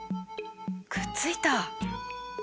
くっついた！